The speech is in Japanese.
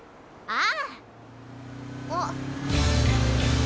ああ。